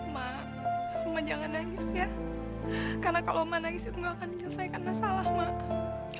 mak cuma jangan nangis ya karena kalau menangis itu gak akan menyelesaikan masalah mak